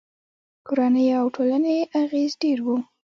کورنیو او ټولنې اغېز ډېر و.